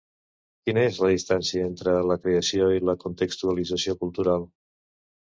¿Quina és la distància entre la creació i la contextualització cultural?